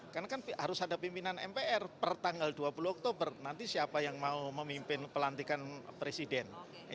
karena kan harus ada pimpinan mpr per tanggal dua puluh oktober nanti siapa yang mau memimpin pelantikan presiden